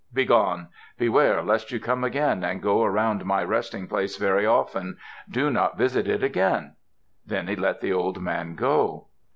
Begone! Beware lest you come again and go around my resting place very often! Do not visit it again!" Then he let the old man go.